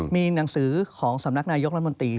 มีหนังสือของสำนักนายกรัฐมนตรี